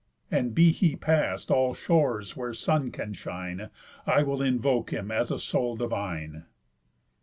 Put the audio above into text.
And be he past all shores where sun can shine, I will invoke him as a soul divine."